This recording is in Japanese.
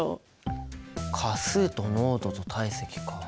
価数と濃度と体積か。